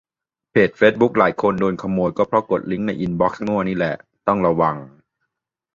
เพจเฟซบุ๊กหลายคนโดนขโมยก็เพราะกดลิงก์ในอินบอกซ์มั่วนี่แหละ ต้องระวัง